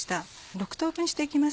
６等分していきます。